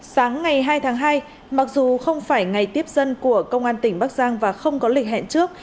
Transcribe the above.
sáng ngày hai tháng hai mặc dù không phải ngày tiếp dân của công an tỉnh bắc giang và không có lịch hẹn trước